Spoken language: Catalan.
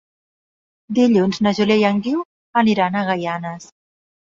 Dilluns na Júlia i en Guiu aniran a Gaianes.